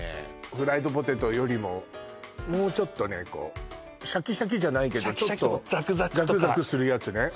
フライドポテトよりももうちょっとねこうシャキシャキじゃないけどちょっとザクザクするやつね